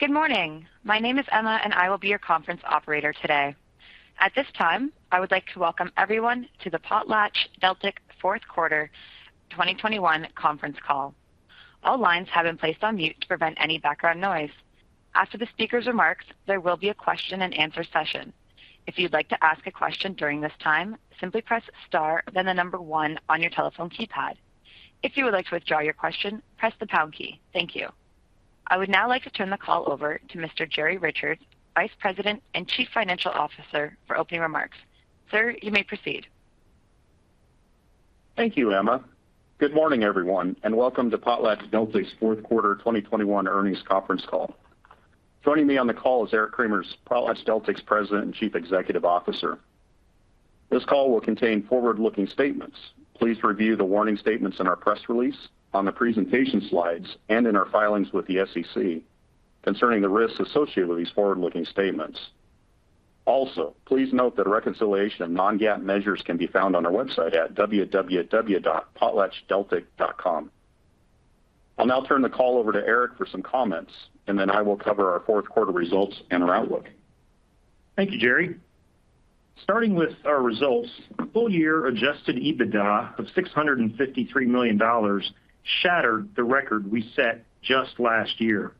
Good morning. My name is Emma, and I will be your conference operator today. At this time, I would like to welcome everyone to the PotlatchDeltic Q42021 conference call. All lines have been placed on mute to prevent any background noise. After the speaker's remarks, there will be a question-and-answer session. If you'd like to ask a question during this time, simply press star then the number one on your telephone keypad. If you would like to withdraw your question, press the pound key. Thank you. I would now like to turn the call over to Mr. Jerry Richards, Vice President and Chief Financial Officer, for opening remarks. Sir, you may proceed. Thank you, Emma. Good morning, everyone, and welcome to PotlatchDeltic's Q4 2021 Earnings Conference Call. Joining me on the call is Eric Cremers, PotlatchDeltic's President and Chief Executive Officer. This call will contain forward-looking statements. Please review the warning statements in our press release, on the presentation slides, and in our filings with the SEC concerning the risks associated with these forward-looking statements. Also, please note that reconciliation of non-GAAP measures can be found on our website at www.potlatchdeltic.com. I'll now turn the call over to Eric for some comments, and then I will cover our fourth quarter results and our outlook. Thank you, Jerry. Starting with our results, full-year adjusted EBITDA of $653 million shattered the record we set just last year.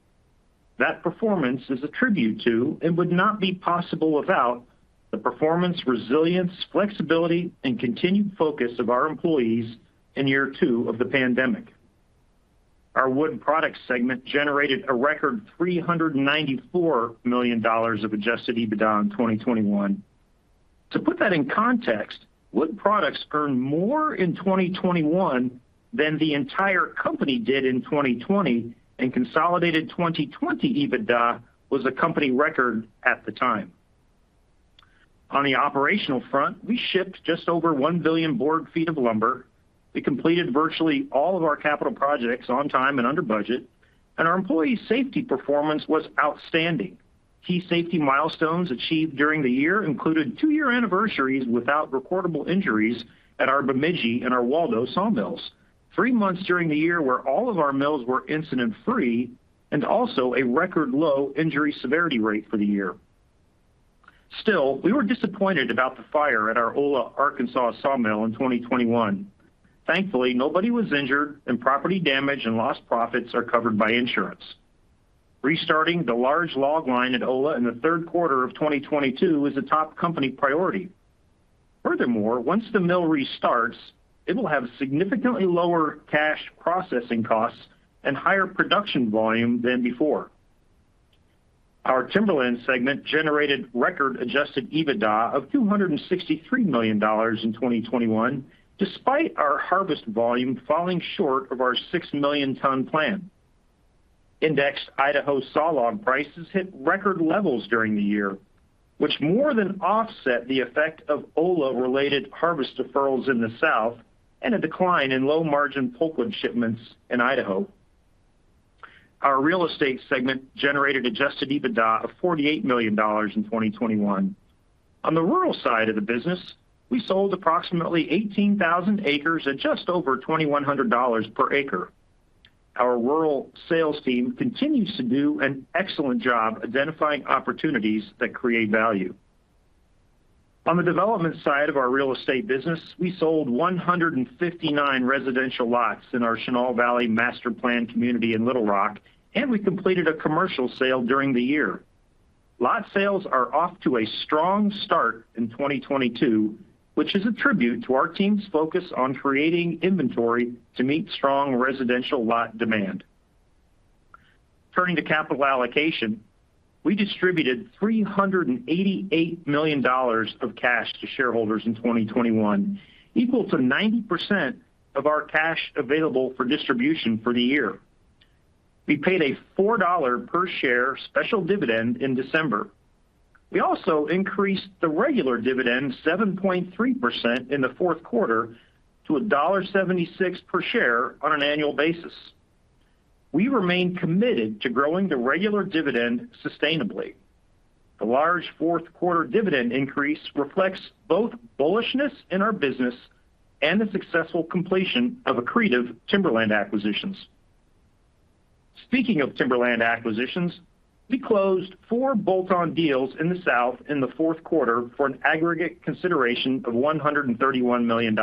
That performance is a tribute to, and would not be possible without, the performance, resilience, flexibility, and continued focus of our employees in year two of the pandemic. Our Wood Products segment generated a record $394 million of adjusted EBITDA in 2021. To put that in context, Wood Products earned more in 2021 than the entire company did in 2020, and consolidated 2020 EBITDA was a company record at the time. On the operational front, we shipped just over 1 billion board feet of lumber. We completed virtually all of our capital projects on time and under budget, and our employee safety performance was outstanding. Key safety milestones achieved during the year included two-year anniversaries without recordable injuries at our Bemidji and our Waldo sawmills, three months during the year where all of our mills were incident-free and also a record-low injury severity rate for the year. Still, we were disappointed about the fire at our Ola, Arkansas sawmill in 2021. Thankfully, nobody was injured and property damage and lost profits are covered by insurance. Restarting the large log line at Ola in the Q3 2022 is a top company priority. Furthermore, once the mill restarts, it will have significantly lower cash processing costs and higher production volume than before. Our Timberland segment generated record adjusted EBITDA of $263 million in 2021, despite our harvest volume falling short of our 6 million ton plan. Indexed Idaho sawlog prices hit record levels during the year, which more than offset the effect of Ola-related harvest deferrals in the South and a decline in low-margin pulpwood shipments in Idaho. Our Real Estate segment generated adjusted EBITDA of $48 million in 2021. On the rural side of the business, we sold approximately 18,000 acres at just over $2,100 per acre. Our rural sales team continues to do an excellent job identifying opportunities that create value. On the development side of our real estate business, we sold 159 residential lots in our Chenal Valley master-planned community in Little Rock, and we completed a commercial sale during the year. Lot sales are off to a strong start in 2022, which is a tribute to our team's focus on creating inventory to meet strong residential lot demand. Turning to capital allocation, we distributed $388 million of cash to shareholders in 2021, equal to 90% of our cash available for distribution for the year. We paid a $4 per share special dividend in December. We also increased the regular dividend 7.3% in the fourth quarter to $1.76 per share on an annual basis. We remain committed to growing the regular dividend sustainably. The large fourth-quarter dividend increase reflects both bullishness in our business and the successful completion of accretive timberland acquisitions. Speaking of timberland acquisitions, we closed four bolt-on deals in the South in the fourth quarter for an aggregate consideration of $131 million.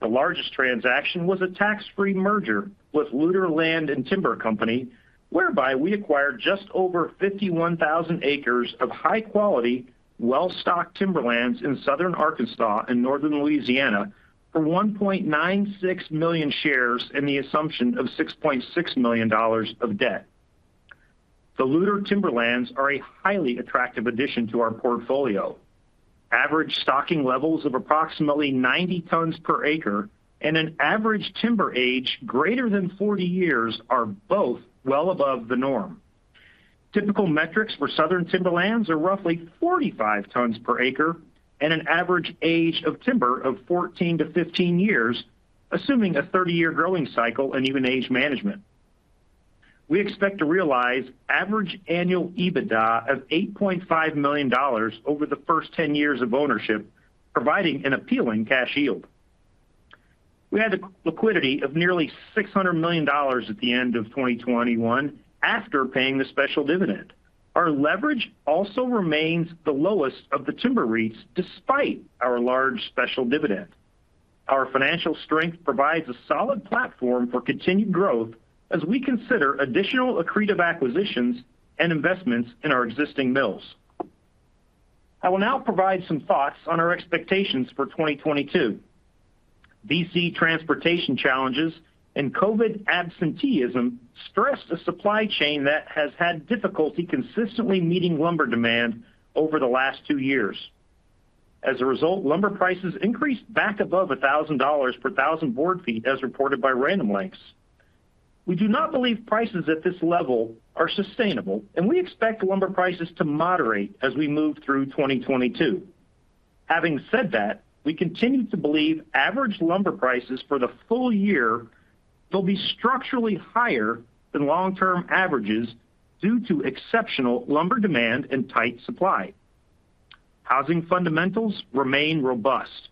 The largest transaction was a tax-free merger with Loutre Land and Timber Company, whereby we acquired just over 51,000 acres of high-quality, well-stocked timberlands in Southern Arkansas and Northern Louisiana for 1.96 million shares and the assumption of $6.6 million of debt. The Loutre Timberlands are a highly attractive addition to our portfolio. Average stocking levels of approximately 90 tons per acre and an average timber age greater than 40 years are both well above the norm. Typical metrics for southern timberlands are roughly 45 tons per acre and an average age of timber of 14-15 years, assuming a 30-year growing cycle and even age management. We expect to realize average annual EBITDA of $8.5 million over the first 10 years of ownership, providing an appealing cash yield. We had the liquidity of nearly $600 million at the end of 2021 after paying the special dividend. Our leverage also remains the lowest of the timber REITs despite our large special dividend. Our financial strength provides a solid platform for continued growth as we consider additional accretive acquisitions and investments in our existing mills. I will now provide some thoughts on our expectations for 2022. B.C. transportation challenges and COVID-19 absenteeism stressed a supply chain that has had difficulty consistently meeting lumber demand over the last two years. As a result, lumber prices increased back above $1,000 per thousand board feet as reported by Random Lengths. We do not believe prices at this level are sustainable, and we expect lumber prices to moderate as we move through 2022. Having said that, we continue to believe average lumber prices for the full year will be structurally higher than long-term averages due to exceptional lumber demand and tight supply. Housing fundamentals remain robust.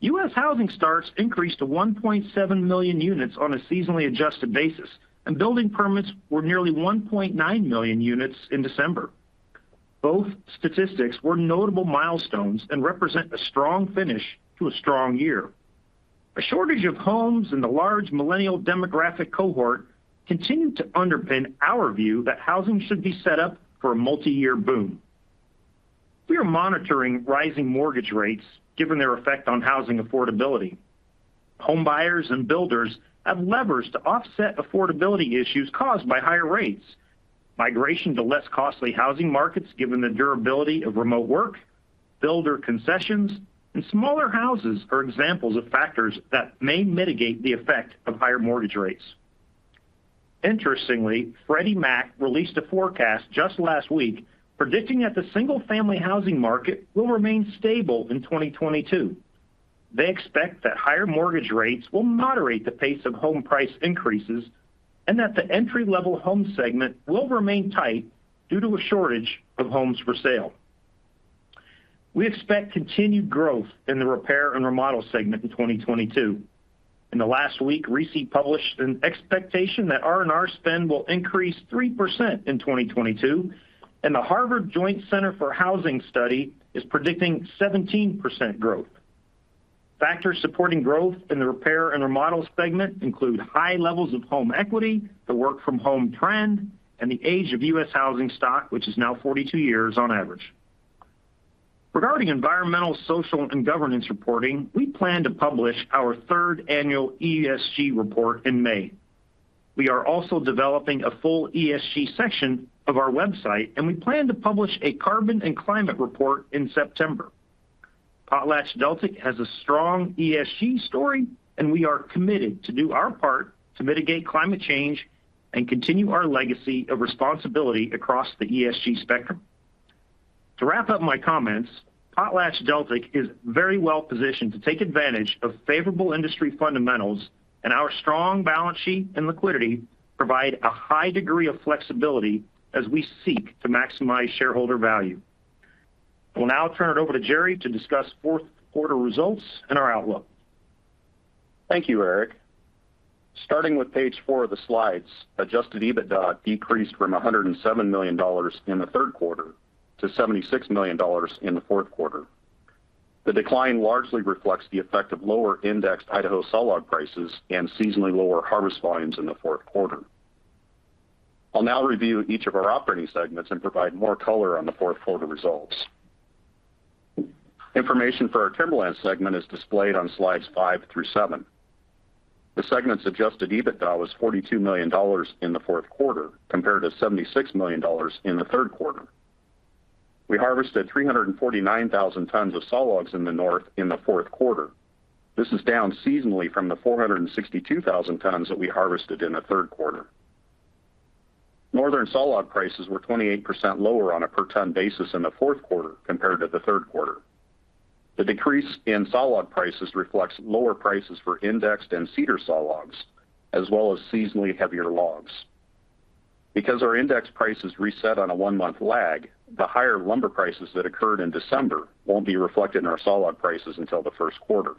U.S. housing starts increased to 1.7 million units on a seasonally adjusted basis, and building permits were nearly 1.9 million units in December. Both statistics were notable milestones and represent a strong finish to a strong year. A shortage of homes in the large millennial demographic cohort continue to underpin our view that housing should be set up for a multiyear boom. We are monitoring rising mortgage rates given their effect on housing affordability. Home buyers and builders have levers to offset affordability issues caused by higher rates. Migration to less costly housing markets given the durability of remote work, builder concessions, and smaller houses are examples of factors that may mitigate the effect of higher mortgage rates. Interestingly, Freddie Mac released a forecast just last week predicting that the single-family housing market will remain stable in 2022. They expect that higher mortgage rates will moderate the pace of home price increases and that the entry-level home segment will remain tight due to a shortage of homes for sale. We expect continued growth in the repair and remodel segment in 2022. In the last week, LIRA published an expectation that R&R spend will increase 3% in 2022, and the Harvard Joint Center for Housing Studies is predicting 17% growth. Factors supporting growth in the repair and remodel segment include high levels of home equity, the work from home trend, and the age of U.S. housing stock, which is now 42 years on average. Regarding environmental, social, and governance reporting, we plan to publish our third annual ESG report in May. We are also developing a full ESG section of our website, and we plan to publish a carbon and climate report in September. PotlatchDeltic has a strong ESG story, and we are committed to do our part to mitigate climate change and continue our legacy of responsibility across the ESG spectrum. To wrap up my comments, PotlatchDeltic is very well positioned to take advantage of favorable industry fundamentals, and our strong balance sheet and liquidity provide a high degree of flexibility as we seek to maximize shareholder value. I will now turn it over to Jerry to discuss Q4 results and our outlook. Thank you, Eric. Starting with Page 4 of the slides, adjusted EBITDA decreased from $107 million in the Q3 to $76 million in the Q4. The decline largely reflects the effect of lower indexed Idaho sawlog prices and seasonally lower harvest volumes in the fourth quarter. I'll now review each of our operating segments and provide more color on the Q4 results. Information for our Timberlands segment is displayed on Slides 5 through Slide 7. The segment's adjusted EBITDA was $42 million in the fourth quarter compared to $76 million in the third quarter. We harvested 349,000 tons of sawlogs in the North in the Q4. This is down seasonally from the 462,000 tons that we harvested in the third quarter. Northern sawlog prices were 28% lower on a per ton basis in the Q4 compared to the third quarter. The decrease in sawlog prices reflects lower prices for indexed and cedar sawlogs, as well as seasonally heavier logs. Because our index prices reset on a one-month lag, the higher lumber prices that occurred in December won't be reflected in our sawlog prices until the Q1.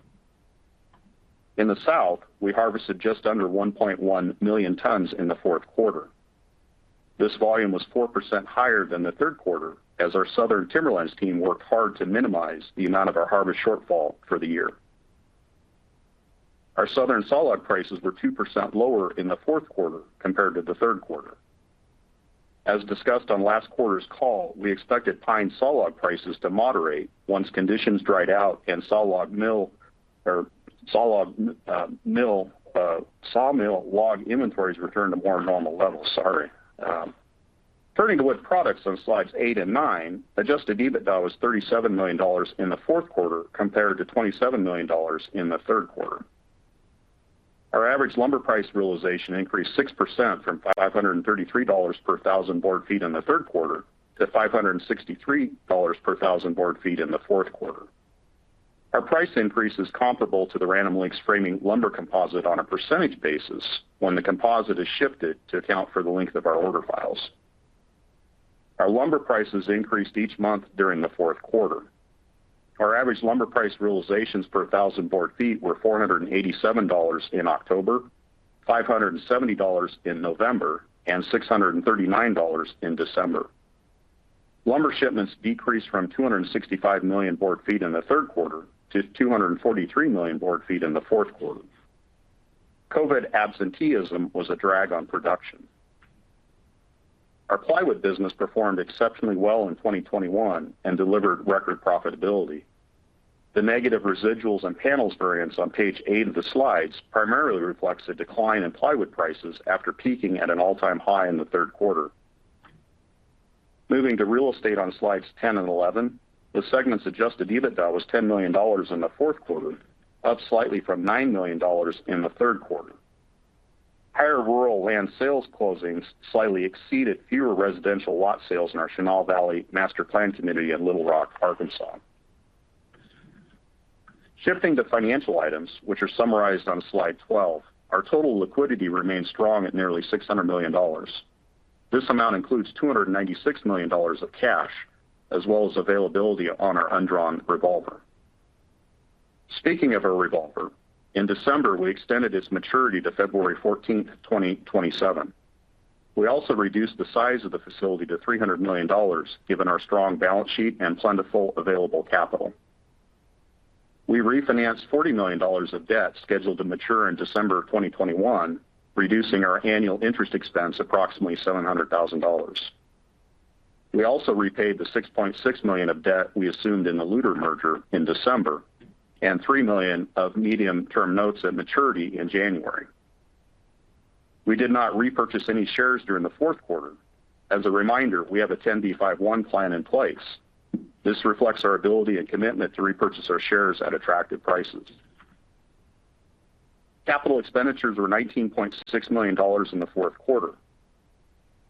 In the South, we harvested just under 1.1 million tons in the Q4. This volume was 4% higher than the Q3 as our Southern Timberlands team worked hard to minimize the amount of our harvest shortfall for the year. Our Southern sawlog prices were 2% lower in the fourth quarter compared to the third quarter. As discussed on last quarter's call, we expected pine sawlog prices to moderate once conditions dried out and sawmill log inventories returned to more normal levels. Turning to Wood Products on slides eight and nine, adjusted EBITDA was $37 million in the fourth quarter compared to $27 million in the third quarter. Our average lumber price realization increased 6% from $533 per thousand board feet in the third quarter to $563 per thousand board feet in the fourth quarter. Our price increase is comparable to the Random Lengths framing lumber composite on a percentage basis when the composite is shifted to account for the length of our order files. Our lumber prices increased each month during the Q4. Our average lumber price realizations per thousand board feet were $487 in October, $570 in November, and $639 in December. Lumber shipments decreased from 265 million board feet in the third quarter to 243 million board feet in the fourth quarter. COVID-19 absenteeism was a drag on production. Our plywood business performed exceptionally well in 2021 and delivered record profitability. The negative residuals and panels variance on Page 8 of the slides primarily reflects a decline in plywood prices after peaking at an all-time high in the third quarter. Moving to Real Estate on Slide 10 and Slide 11, the segment's adjusted EBITDA was $10 million in the Q4, up slightly from $9 million in the third quarter. Higher rural land sales closings slightly exceeded fewer residential lot sales in our Chenal Valley Master Plan Community in Little Rock, Arkansas. Shifting to financial items, which are summarized on Slide 12, our total liquidity remains strong at nearly $600 million. This amount includes $296 million of cash as well as availability on our undrawn revolver. Speaking of our revolver, in December, we extended its maturity to February 14, 2027. We also reduced the size of the facility to $300 million given our strong balance sheet and plentiful available capital. We refinanced $40 million of debt scheduled to mature in December 2021, reducing our annual interest expense approximately $700,000. We also repaid the $6.6 million of debt we assumed in the Luter merger in December, and $3 million of medium-term notes at maturity in January. We did not repurchase any shares during the fourth quarter. As a reminder, we have a Rule 10b5-1 plan in place. This reflects our ability and commitment to repurchase our shares at attractive prices. Capital expenditures were $19.6 million in the Q4.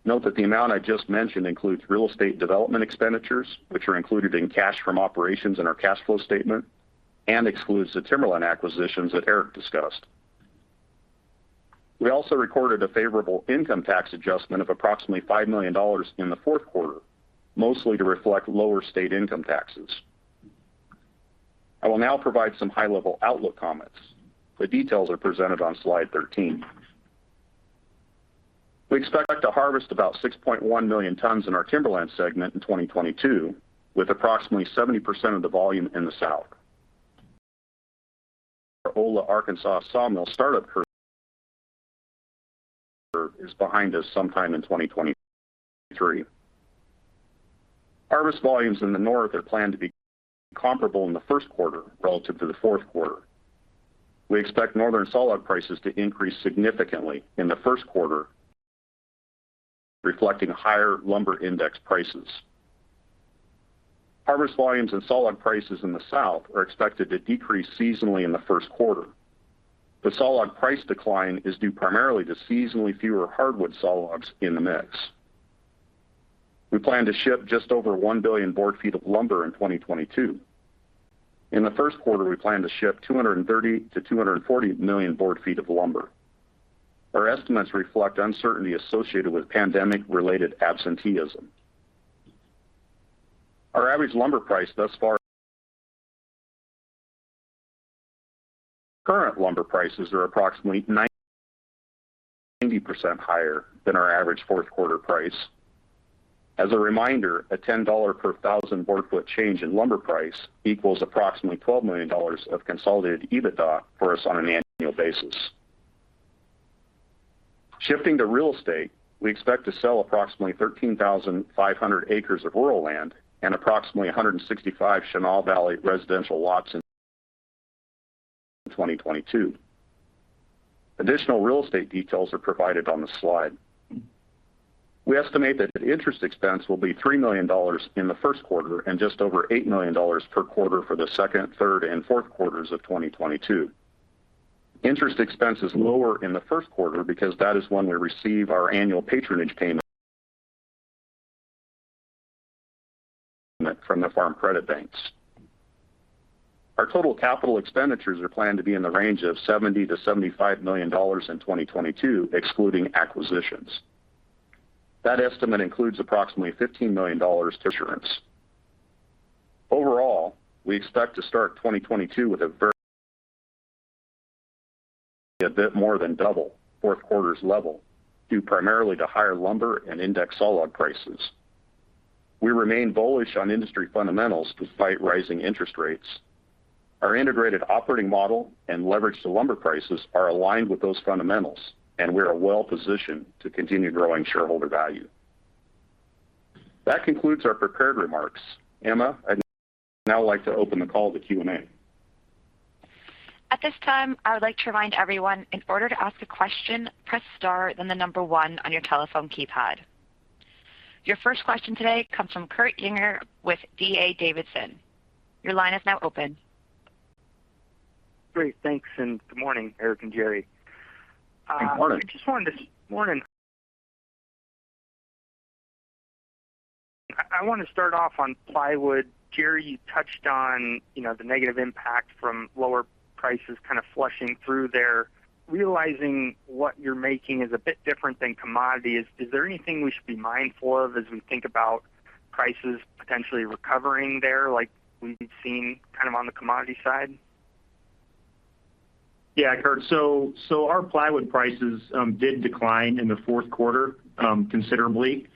Note that the amount I just mentioned includes real estate development expenditures, which are included in cash from operations in our cash flow statement, and excludes the timberland acquisitions that Eric discussed. We also recorded a favorable income tax adjustment of approximately $5 million in the Q4, mostly to reflect lower state income taxes. I will now provide some high-level outlook comments. The details are presented on Slide 13. We expect to harvest about 6.1 million tons in our timberland segment in 2022, with approximately 70% of the volume in the South. Our Ola, Arkansas sawmill startup curve is behind us sometime in 2023. Harvest volumes in the North are planned to be comparable in the Q1 relative to the Q4. We expect Northern sawlog prices to increase significantly in the Q1, reflecting higher lumber index prices. Harvest volumes and sawlog prices in the South are expected to decrease seasonally in the Q1. The sawlog price decline is due primarily to seasonally fewer hardwood sawlogs in the mix. We plan to ship just over 1 billion board feet of lumber in 2022. In the Q1, we plan to ship 230 million-240 million board feet of lumber. Our estimates reflect uncertainty associated with pandemic-related absenteeism. Our average lumber price thus far. Current lumber prices are approximately 90% higher than our average fourth quarter price. As a reminder, a $10 per thousand board foot change in lumber price equals approximately $12 million of consolidated EBITDA for us on an annual basis. Shifting to real estate, we expect to sell approximately 13,500 acres of rural land and approximately 165 Chenal Valley residential lots in 2022. Additional real estate details are provided on the slide. We estimate that interest expense will be $3 million in the Q1 and just over $8 million per quarter for the Q1 to Q4 2022. Interest expense is lower in the Q1 because that is when we receive our annual patronage payment from the Farm Credit banks. Our total capital expenditures are planned to be in the range of $70 million-$75 million in 2022, excluding acquisitions. That estimate includes approximately $15 million to insurance. Overall, we expect to start 2022 with a bit more than double fourth quarter's level, due primarily to higher lumber and index sawlog prices. We remain bullish on industry fundamentals despite rising interest rates. Our integrated operating model and leverage to lumber prices are aligned with those fundamentals, and we are well-positioned to continue growing shareholder value. That concludes our prepared remarks. Emma, I'd now like to open the call to Q&A. At this time, I would like to remind everyone, in order to ask a question, press star, then the number one on your telephone keypad. Your first question today comes from Kurt Yinger with D.A. Davidson. Your line is now open. Great. Thanks, and good morning, Eric and Jerry. Good morning. Morning. I want to start off on plywood. Jerry, you touched on the negative impact from lower prices kind of flushing through there. Realizing what you're making is a bit different than commodity, is there anything we should be mindful of as we think about prices potentially recovering there like we've seen kind of on the commodity side? Yeah, Kurt. Our plywood prices did decline in the fourth quarter considerably.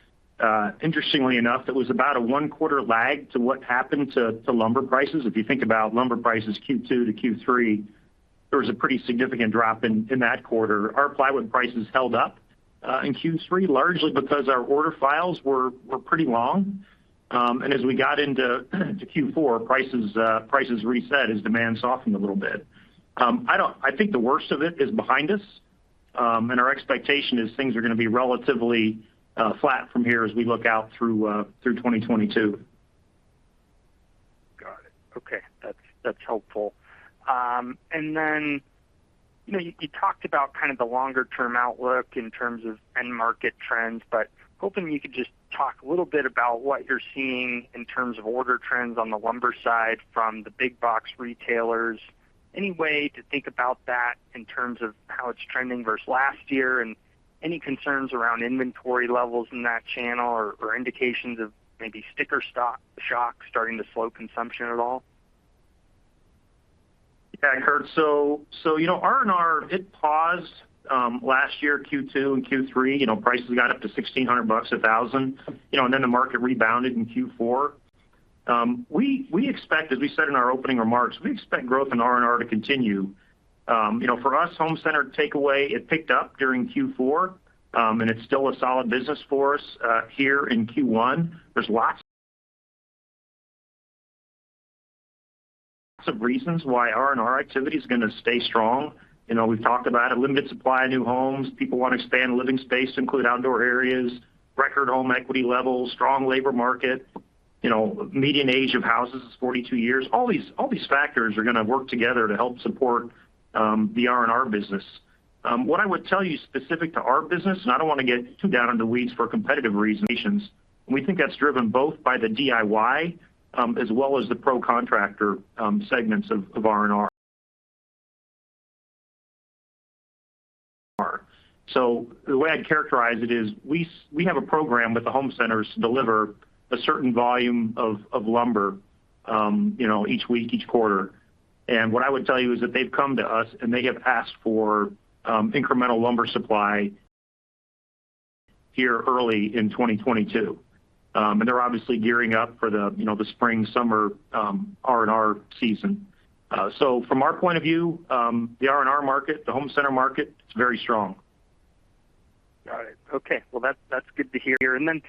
Interestingly enough, it was about a one-quarter lag to what happened to lumber prices. If you think about lumber prices Q2 to Q3, there was a pretty significant drop in that quarter. Our plywood prices held up in Q3, largely because our order files were pretty long. As we got into Q4, prices reset as demand softened a little bit. I think the worst of it is behind us, and our expectation is things are gonna be relatively flat from here as we look out through 2022. Got it. Okay. That's helpful. You talked about kind of the longer term outlook in terms of end market trends, but hoping you could just talk a little bit about what you're seeing in terms of order trends on the lumber side from the big box retailers. Any way to think about that in terms of how it's trending versus last year? Any concerns around inventory levels in that channel or indications of maybe sticker shock starting to slow consumption at all? Yeah, Kurt. So,R&R, it paused last year, Q2 and Q3. Prices got up to $1,600 and $1,000. Then the market rebounded in Q4. We expect, as we said in our opening remarks, we expect growth in R&R to continue. For us, home center takeaway, it picked up during Q4, and it's still a solid business for us here in Q1. There's lots of reasons why R&R activity is gonna stay strong. You know, we've talked about a limited supply of new homes. People wanna expand living space to include outdoor areas, record home equity levels, strong labor market. Median age of houses is 42 years. All these factors are gonna work together to help support the R&R business. What I would tell you specific to our business, and I don't wanna get too down in the weeds for competitive reasons. We think that's driven both by the DIY, as well as the pro contractor, segments of R&R. The way I'd characterize it is we have a program with the home centers to deliver a certain volume of lumber, each week, each quarter. What I would tell you is that they've come to us, and they have asked for incremental lumber supply here early in 2022. They're obviously gearing up for the, the spring, summer, R&R season. From our point of view, the R&R market, the home center market, it's very strong. Got it. Okay. Well, that's good to hear. Then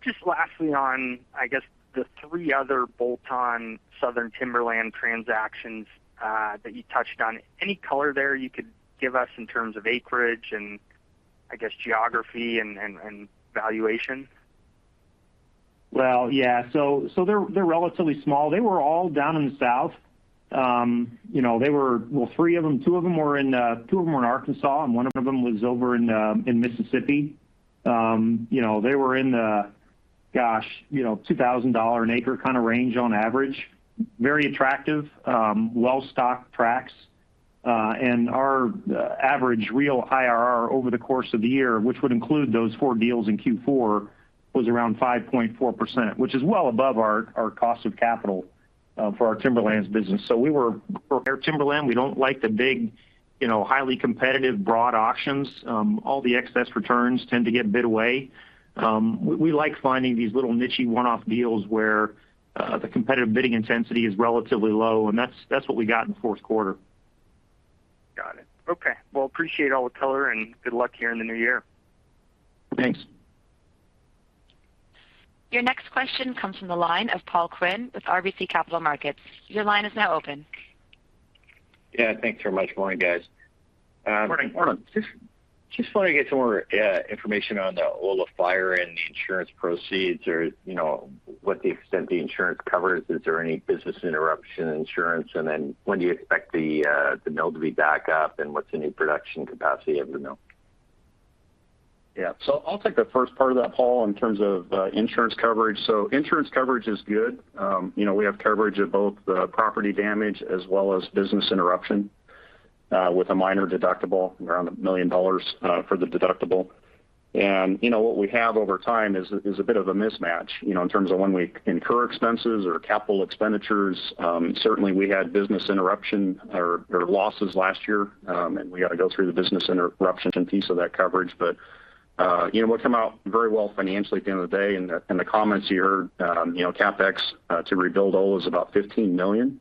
just lastly on, I guess, the three other bolt-on southern timberland transactions, that you touched on. Any color there you could give us in terms of acreage and I guess geography and valuation? Well, yeah. They're relatively small. They were all down in the South. Well, three of them, two of them were in Arkansas, and one of them was over in Mississippi. You know, they were in the, $2,000-an-acre kind of range on average. Very attractive, well-stocked tracts. Our average real IRR over the course of the year, which would include those four deals in Q4, was around 5.4%, which is well above our cost of capital for our timberlands business. For timberland, we don't like the big, highly competitive broad auctions. All the excess returns tend to get bid away. We like finding these little niche-y one-off deals where the competitive bidding intensity is relatively low, and that's what we got in the Q4. Got it. Okay. Well, I appreciate all the color and good luck here in the new year. Thanks. Your next question comes from the line of Paul Quinn with RBC Capital Markets. Your line is now open. Yeah. Thanks very much. Morning, guys. Morning. Just wanted to get some more information on the Ola fire and the insurance proceeds or, what the extent the insurance covers. Is there any business interruption insurance? When do you expect the mill to be back up, and what's the new production capacity of the mill? Yeah. I'll take the first part of that, Paul, in terms of insurance coverage. Insurance coverage is good. You know, we have coverage of both the property damage as well as business interruption, with a minor deductible, around $1 million, for the deductible. You know, what we have over time is a bit of a mismatch, you know, in terms of when we incur expenses or capital expenditures. Certainly we had business interruption or losses last year, and we got to go through the business interruption piece of that coverage. We'll come out very well financially at the end of the day. In the comments you heard, CapEx to rebuild Ola is about $15 million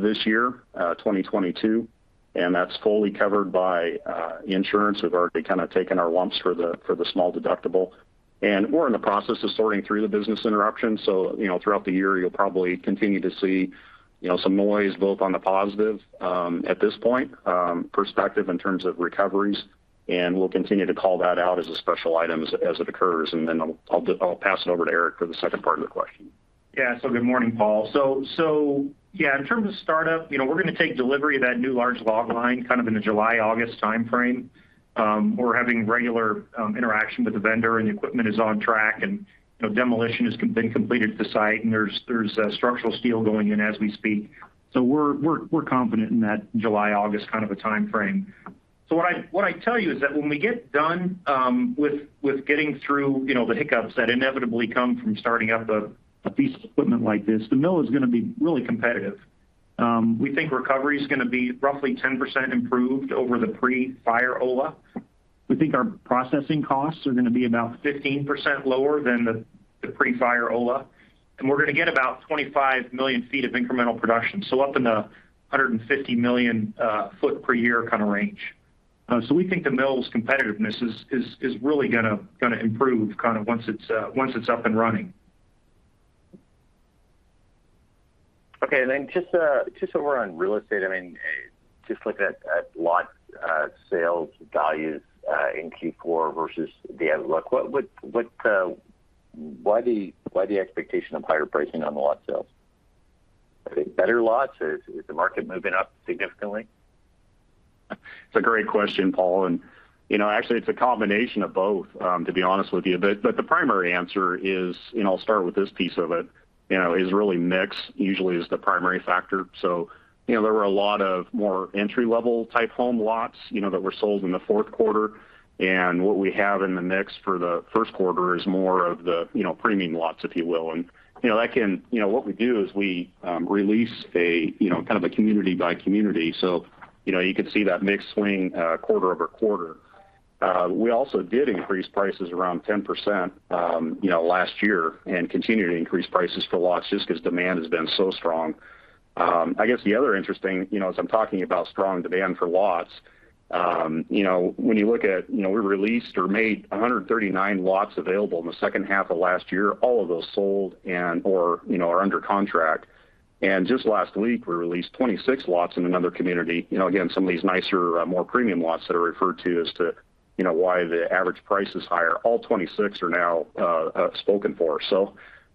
this year, 2022, and that's fully covered by insurance. We've already kind of taken our lumps for the small deductible. We're in the process of sorting through the business interruption. Throughout the year, you'll probably continue to see, some noise both on the positive, at this point, perspective in terms of recoveries, and we'll continue to call that out as a special item as it occurs. I'll pass it over to Eric for the second part of the question. Yeah. Good morning, Paul. Yeah, in terms of startup, we're gonna take delivery of that new large log line kind of in the July-August timeframe. We're having regular interaction with the vendor, and the equipment is on track. Demolition has been completed at the site, and there's structural steel going in as we speak. We're confident in that July-August kind of a timeframe. What I tell you is that when we get done with getting through, you know, the hiccups that inevitably come from starting up a piece of equipment like this, the mill is gonna be really competitive. We think recovery is gonna be roughly 10% improved over the pre-fire Ola. We think our processing costs are gonna be about 15% lower than the pre-fire Ola, and we're gonna get about 25 million feet of incremental production. Up in the 150 million foot per year kinda range. We think the mill's competitiveness is really gonna improve kind of once it's up and running. Okay. Just over on real estate, I mean, just looking at lot sales values in Q4 versus the outlook, why the expectation of higher pricing on the lot sales? Are they better lots? Is the market moving up significantly? It's a great question, Paul. Actually it's a combination of both, to be honest with you. But the primary answer is, and I'll start with this piece of it, you know, is really mix usually is the primary factor. There were a lot of more entry-level type home lots, you know, that were sold in the fourth quarter. What we have in the mix for the first quarter is more of the, premium lots, if you will. You know, that can. You know, what we do is we, release a, you know, kind of a community by community. You could see that mix swing, quarter-over-quarter. We also did increase prices around 10%, last year and continue to increase prices for lots just 'cause demand has been so strong. I guess the other interesting, as I'm talking about strong demand for lots, when you look at, we released or made 139 lots available in the H2 of last year, all of those sold or, are under contract. Just last week we released 26 lots in another community. Again, some of these nicer, more premium lots that are referred to as to, why the average price is higher. All 26 are now spoken for.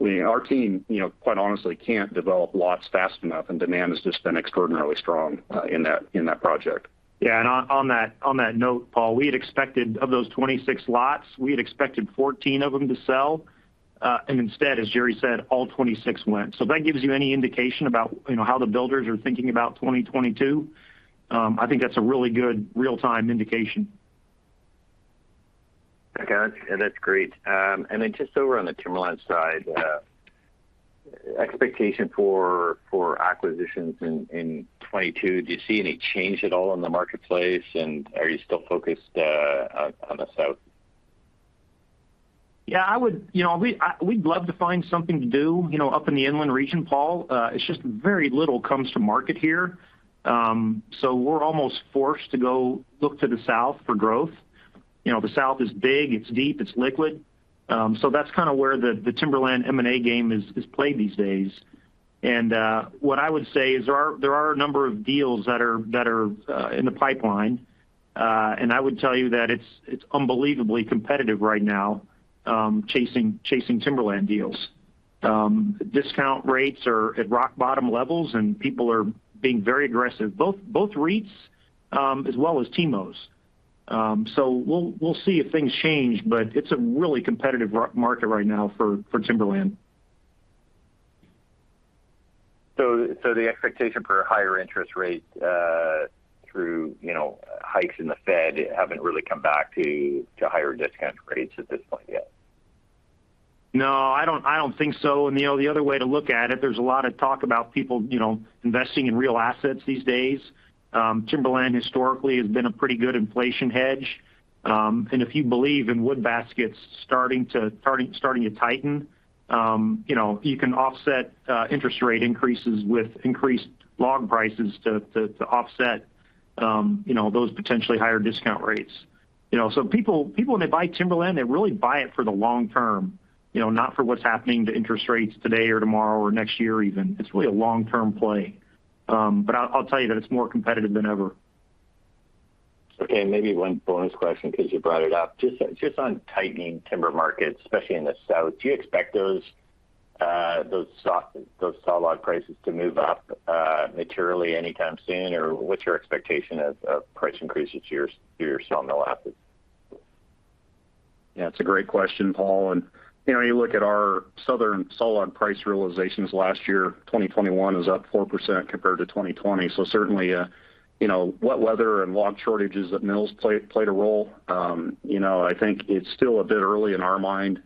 Our team, quite honestly, can't develop lots fast enough, and demand has just been extraordinarily strong in that project. Yeah. On that note, Paul, we had expected 14 of those 26 lots to sell. Instead, as Jerry said, all 26 went. If that gives you any indication about, how the builders are thinking about 2022, I think that's a really good real-time indication. Okay. That's great. Just over on the timberland side, expectation for acquisitions in 2022, do you see any change at all in the marketplace? Are you still focused on the South? We'd love to find something to do, you know, up in the inland region, Paul. It's just very little comes to market here. So we're almost forced to go look to the South for growth. The South is big, it's deep, it's liquid. So that's kinda where the timberland M&A game is played these days. What I would say is there are a number of deals that are in the pipeline. I would tell you that it's unbelievably competitive right now, chasing timberland deals. Discount rates are at rock bottom levels, and people are being very aggressive, both REITs as well as TIMOs. We'll see if things change, but it's a really competitive market right now for timberland. The expectation for higher interest rates through you know hikes in the Fed haven't really come back to higher discount rates at this point yet? No, I don't think so. The other way to look at it, there's a lot of talk about people, investing in real assets these days. Timberland historically has been a pretty good inflation hedge. If you believe in wood baskets starting to tighten, you can offset interest rate increases with increased log prices to offset those potentially higher discount rates. You know, people when they buy timberland, they really buy it for the long term, not for what's happening to interest rates today or tomorrow or next year even. It's really a long-term play. I'll tell you that it's more competitive than ever. Okay, maybe one bonus question because you brought it up. Just on tightening timber markets, especially in the South, do you expect those sawlog prices to move up materially anytime soon? Or what's your expectation of price increases to your sawmill assets? Yeah, it's a great question, Paul. Look at our southern sawlog price realizations last year, 2021 is up 4% compared to 2020. Certainly, wet weather and log shortages at mills played a role. I think it's still a bit early in our mind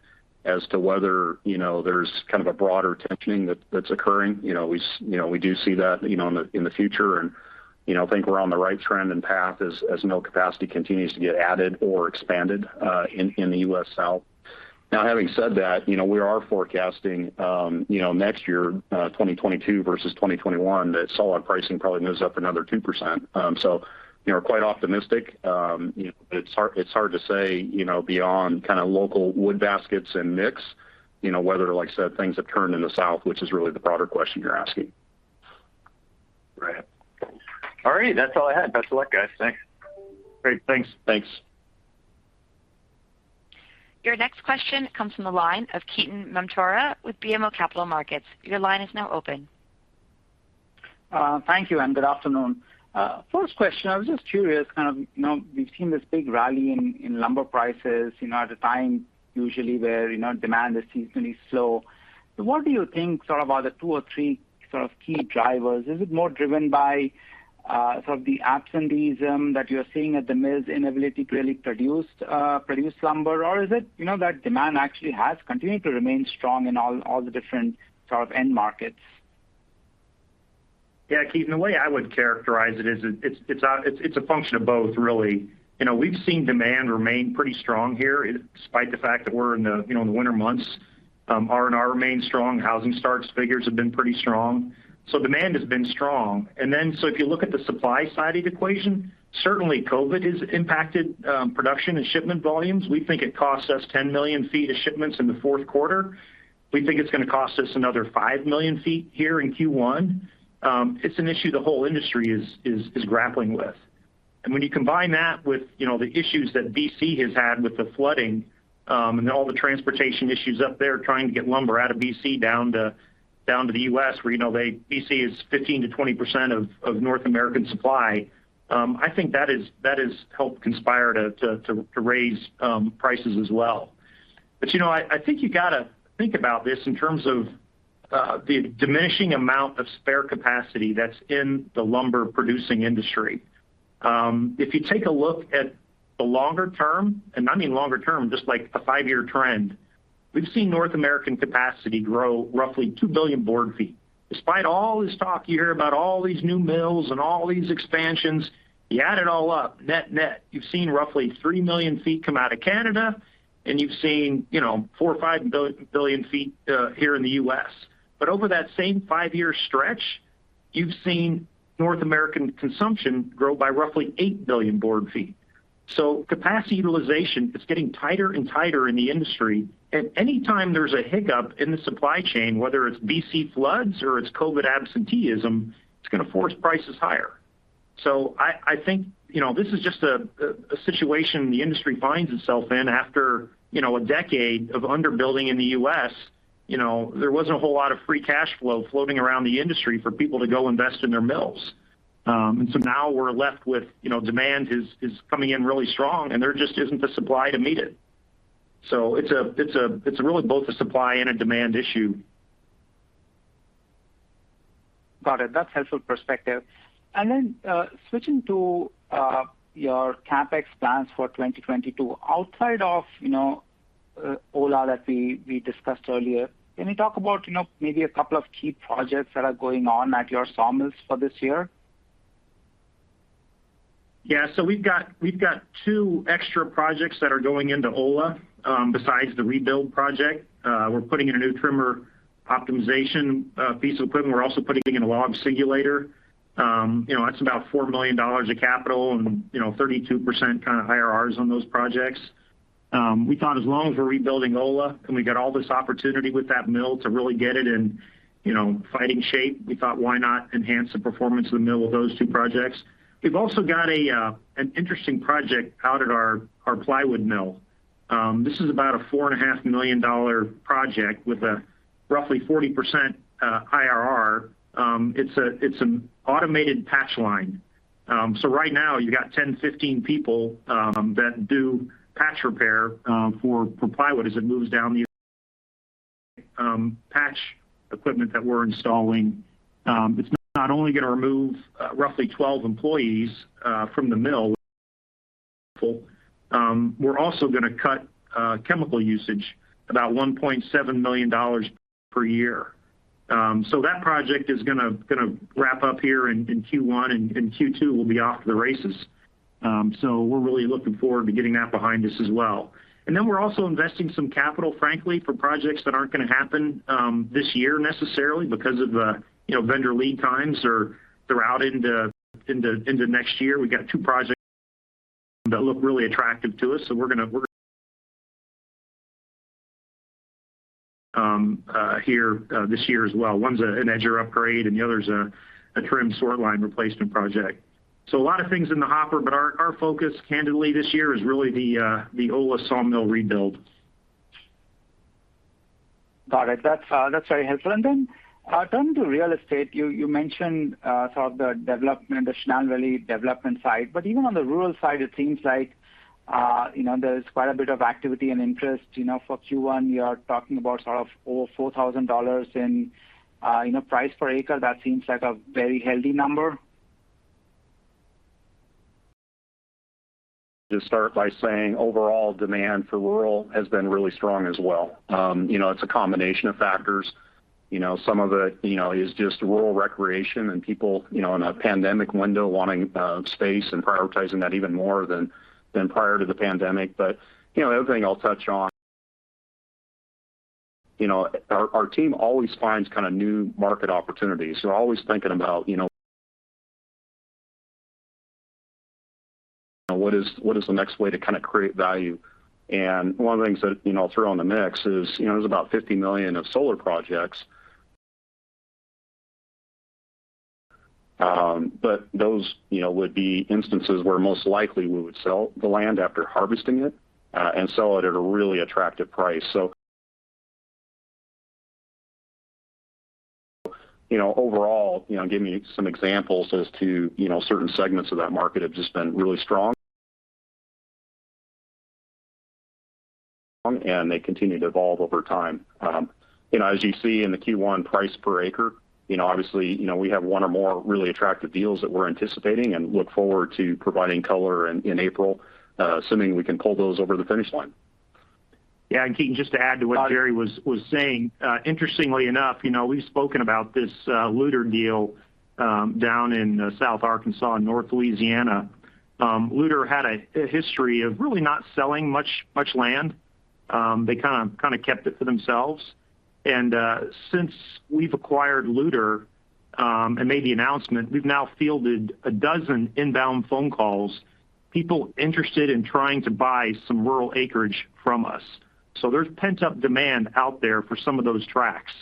as to whether, you know, there's kind of a broader tightening that's occurring. We do see that, in the future and, you know, think we're on the right trend and path as mill capacity continues to get added or expanded in the U.S. South. Now having said that, we are forecasting, next year, 2022 versus 2021, that sawlog pricing probably moves up another 2%. You know, we're quite optimistic. It's hard to say, beyond kinda local wood baskets and mix, whether, like I said, things have turned in the South, which is really the broader question you're asking. Right. All right. That's all I had. Best of luck, guys. Thanks. Great. Thanks. Thanks. Your next question comes from the line of Ketan Mamtora with BMO Capital Markets. Your line is now open. Thank you, and good afternoon. First question, I was just curious, we've seen this big rally in lumber prices, you know, at a time usually where, demand is seasonally slow. What do you think sort of are the two or three sort of key drivers? Is it more driven by- the absenteeism that you're seeing at the mills inability to really produce lumber, or is it, that demand actually has continued to remain strong in all the different sort of end markets? Yeah, Ketan, the way I would characterize it is it's a function of both really. We've seen demand remain pretty strong here despite the fact that we're in the, winter months. R&R remains strong. Housing starts figures have been pretty strong. Demand has been strong. If you look at the supply side of the equation, certainly COVID-19 has impacted production and shipment volumes. We think it costs us 10 million feet of shipments in the fourth quarter. We think it's gonna cost us another 5 million feet here in Q1. It's an issue the whole industry is grappling with. When you combine that with, the issues that BC has had with the flooding, and all the transportation issues up there trying to get lumber out of BC down to the U.S. where, BC is 15%-20% of North American supply, I think that has helped conspire to raise prices as well. I think you gotta think about this in terms of the diminishing amount of spare capacity that's in the lumber-producing industry. If you take a look at the longer term, and I mean longer term, just like a five-year trend, we've seen North American capacity grow roughly 2 billion board feet. Despite all this talk you hear about all these new mills and all these expansions, you add it all up, net-net, you've seen roughly 3 million feet come out of Canada, and you've seen, you know, 4 to 5 billion feet added in the U.S. Over that same five-year stretch, you've seen North American consumption grow by roughly 8 billion board feet. Capacity utilization is getting tighter and tighter in the industry. At any time there's a hiccup in the supply chain, whether it's B.C. floods or it's COVID-19 absenteeism, it's gonna force prices higher. I think, this is just a situation the industry finds itself in after, you know, a decade of underbuilding in the U.S. There wasn't a whole lot of free cash flow floating around the industry for people to go invest in their mills. Now we're left with, demand is coming in really strong and there just isn't the supply to meet it. It's really both a supply and a demand issue. Got it. That's helpful perspective. Switching to your CapEx plans for 2022. Outside of, Ola that we discussed earlier, can you talk about, maybe a couple of key projects that are going on at your sawmills for this year? Yeah. We've got two extra projects that are going into Ola besides the rebuild project. We're putting in a new trimmer optimization piece of equipment. We're also putting in a log singulator. That's about $4 million of capital and, 32% kind of IRRs on those projects. We thought as long as we're rebuilding Ola and we got all this opportunity with that mill to really get it in, fighting shape, we thought why not enhance the performance of the mill with those two projects. We've also got an interesting project out at our plywood mill. This is about a $4.5 million project with a roughly 40% IRR. It's an automated patch line. Right now you got 10-15 people that do patch repair for plywood as it moves down the patch equipment that we're installing. It's not only gonna remove roughly 12 employees from the mill. We're also gonna cut chemical usage about $1.7 million per year. That project is gonna wrap up here in Q1 and Q2 will be off to the races. We're really looking forward to getting that behind us as well. Then we're also investing some capital, frankly, for projects that aren't gonna happen this year necessarily because of the, you know, vendor lead times are throughout into next year. We've got two projects that look really attractive to us, so we're gonna here this year as well. One's an edger upgrade, and the other's a trim sort line replacement project. A lot of things in the hopper, but our focus candidly this year is really the Ola sawmill rebuild. Got it. That's very helpful. Then turning to real estate, you mentioned sort of the development, the Chenal Valley development side, but even on the rural side, it seems like there's quite a bit of activity and interest. For Q1, you are talking about sort of over $4,000 in price per acre. That seems like a very healthy number. Just start by saying overall demand for rural has been really strong as well. You know, it's a combination of factors. Some of it you know is just rural recreation and people you know in a pandemic window wanting space and prioritizing that even more than than prior to the pandemic. The other thing I'll touch on our team always finds kind of new market opportunities. They're always thinking about what is the next way to kind of create value. One of the things that you know I'll throw in the mix is you know there's about $50 million of solar projects. But those you know would be instances where most likely we would sell the land after harvesting it and sell it at a really attractive price. Overall, giving you some examples as to, certain segments of that market have just been really strong. They continue to evolve over time. As you see in the Q1 price per acre, obviously, we have one or more really attractive deals that we're anticipating and look forward to providing color in April, assuming we can pull those over the finish line. Yeah. Ketan, just to add to what Jerry was saying, interestingly enough, we've spoken about this Luter deal down in South Arkansas, North Louisiana. Luter had a history of really not selling much land. They kinda kept it for themselves. Since we've acquired Luter and made the announcement, we've now fielded a dozen inbound phone calls, people interested in trying to buy some rural acreage from us. There's pent-up demand out there for some of those tracts.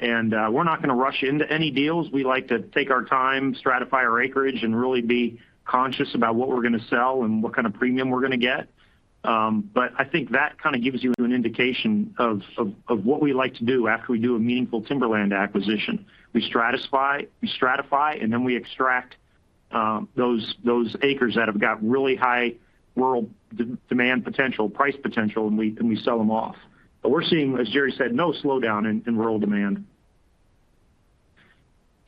We're not gonna rush into any deals. We like to take our time, stratify our acreage, and really be conscious about what we're gonna sell and what kind of premium we're gonna get. I think that kind of gives you an indication of what we like to do after we do a meaningful timberland acquisition. We stratify, and then we extract those acres that have got really high rural demand potential, price potential, and we sell them off. We're seeing, as Jerry said, no slowdown in rural demand.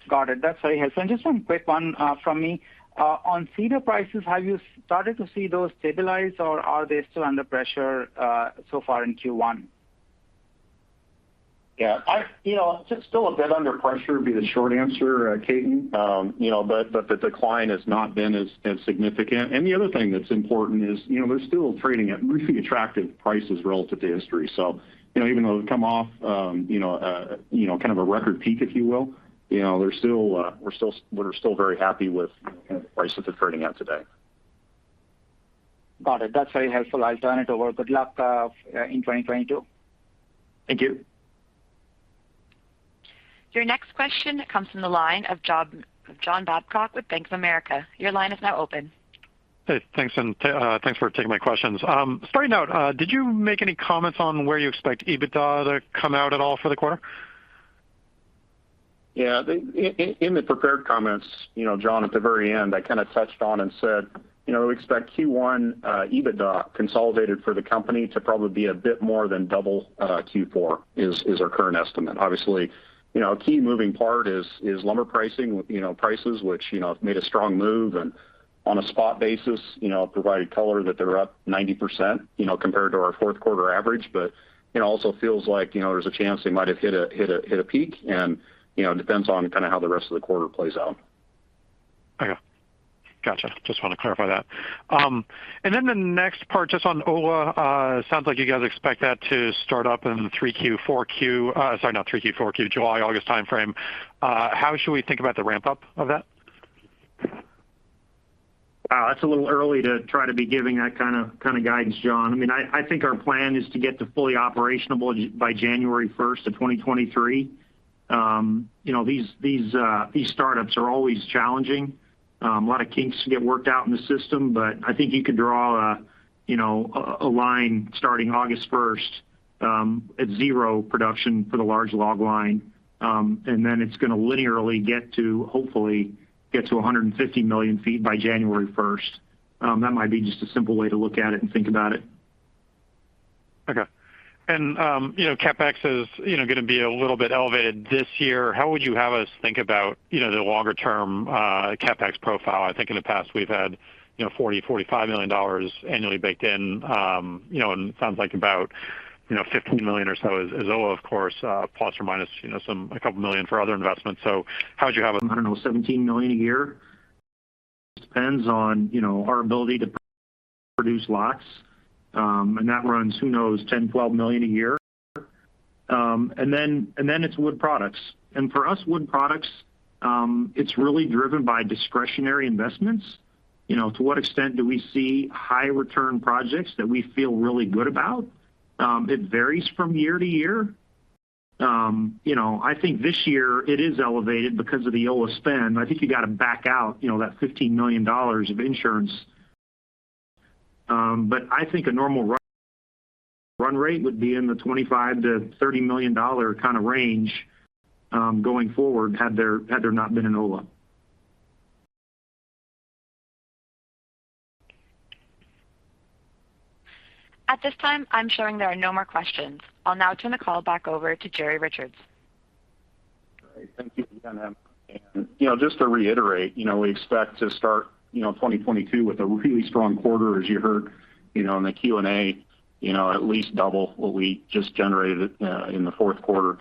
Got it. That's very helpful. Just one quick one, from me. On cedar prices, have you started to see those stabilize, or are they still under pressure, so far in Q1? Yeah. Just still a bit under pressure would be the short answer, Ketan. You know, but the decline has not been as significant. The other thing that's important is, you know, we're still trading at really attractive prices relative to history. Even though they've come off, you know, kind of a record peak, if you will, we're still very happy with, the prices we're trading at today. Got it. That's very helpful. I'll turn it over. Good luck in 2022. Thank you. Your next question comes from the line of John Babcock with Bank of America. Your line is now open. Hey, thanks. Thanks for taking my questions. Starting out, did you make any comments on where you expect EBITDA to come out at all for the quarter? Yeah. In the prepared comments, you know, John, at the very end, I kinda touched on and said, we expect Q1 EBITDA consolidated for the company to probably be a bit more than double Q4 is our current estimate. Obviously, you know, a key moving part is lumber pricing. prices which, have made a strong move. On a spot basis, you know, provided color that they're up 90%, compared to our Q4 average. Also feels like, there's a chance they might have hit a peak and, depends on kinda how the rest of the quarter plays out. Okay. Gotcha. Just want to clarify that. The next part, just on Ola, sounds like you guys expect that to start up in Q4. July and August timeframe. How should we think about the ramp-up of that? It's a little early to try to be giving that kinda guidance, John. I mean, I think our plan is to get to fully operational by January 1, 2023. These startups are always challenging. A lot of kinks to get worked out in the system, but I think you could draw, a line starting August 1 at zero production for the large log line. Then it's gonna linearly get to, hopefully, 150 million feet by January 1. That might be just a simple way to look at it and think about it. Okay. CapEx is gonna be a little bit elevated this year. How would you have us think about the longer term CapEx profile? I think in the past we've had $40 million-$45 million annually baked in. It sounds like about $15 million or so is Ola, of course, plus or minus some, a couple million for other investments. How would you have I don't know, $17 million a year. Depends on, our ability to produce logs. That runs, who knows, $10 million to $12 million a year. Then it's Wood Products. For us, Wood Products, it's really driven by discretionary investments. To what extent do we see high return projects that we feel really good about? It varies from year to year. I think this year it is elevated because of the Ola spend. I think you gotta back out, that $15 million of insurance. I think a normal run rate would be in the $25 million -$30 million kinda range, going forward, had there not been an Ola. At this time, I'm showing there are no more questions. I'll now turn the call back over to Jerry Richards. All right. Thank you again. Just to reiterate, you know, we expect to start 2022 with a really strong quarter, as you heard, in the Q&A. At least double what we just generated in the Q4.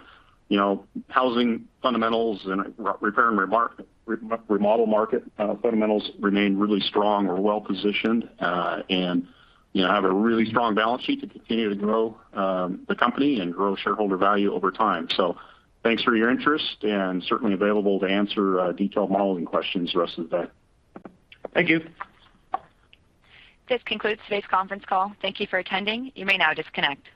Housing fundamentals and repair and remodel market fundamentals remain really strong. We're well positioned and have a really strong balance sheet to continue to grow the company and grow shareholder value over time. Thanks for your interest and certainly available to answer detailed modeling questions the rest of the day. Thank you. This concludes today's conference call. Thank you for attending. You may now disconnect.